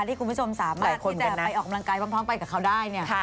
ที่คุณผู้ชมสามารถที่จะไปออกกำลังกายพร้อมไปกับเขาได้เนี่ย